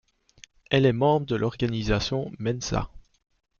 Elle est membre de l'organisation Mensa.